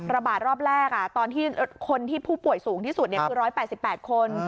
ระบาดรอบแรกตอนที่คนที่ผู้ป่วยสูงที่สุดคือ๑๘๘คน